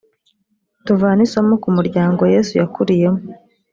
tuvane isomo ku muryango yesuyakuriyemo